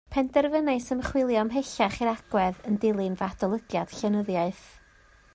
Penderfynais ymchwilio ymhellach i'r agwedd yn dilyn fy adolygiad llenyddiaeth